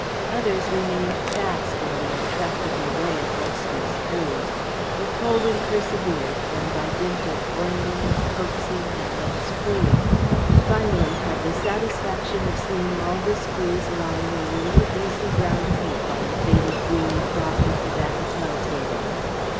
Others remained fast in the intractable way of rusty screws, but Colwyn persevered, and by dint of oiling, coaxing, and unscrewing, finally had the satisfaction of seeing all the screws lying in a little greasy brown heap on the faded green cloth of the bagatelle table.